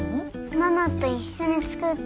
ママと一緒に作った。